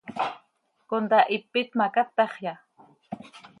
¿Contahipit ma, cátaxya?